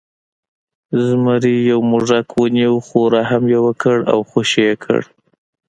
زمري یو موږک ونیو خو رحم یې وکړ او خوشې یې کړ.